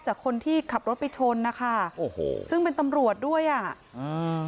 จากคนที่ขับรถไปชนนะคะโอ้โหซึ่งเป็นตำรวจด้วยอ่ะอืม